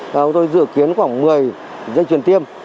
chúng tôi dự kiến khoảng một mươi dây chuyển tiêm